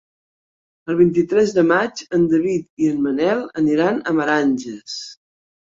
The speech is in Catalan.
El vint-i-tres de maig en David i en Manel aniran a Meranges.